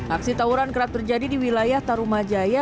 aksi tawuran kerap terjadi di wilayah tarumajaya